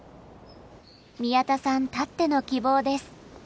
宮田さんたっての希望です。